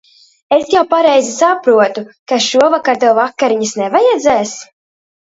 Es jau pareizi saprotu, ka šovakar tev vakariņas nevajadzēs?